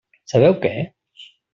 Sabeu què?